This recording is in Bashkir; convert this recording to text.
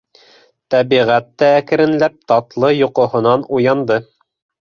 Тәбиғәт тә әкренләп татлы йоҡоһонан уянды.